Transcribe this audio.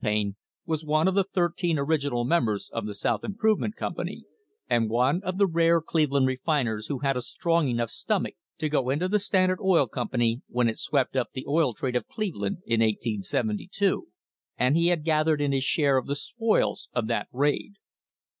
Payne, was one of the thirteen orig inal members of the South Improvement Company, and one of the rare Cleveland refiners who had a strong enough stomach to go into the Standard Oil Company when it swept up the oil trade of Cleveland in 1872, and he had gathered in his share of the spoils of that raid.